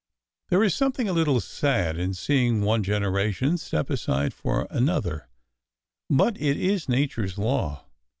There is something a little sad in seeing one generation step aside for another, but it is nature's law.